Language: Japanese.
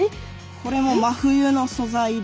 これも真冬の素材で。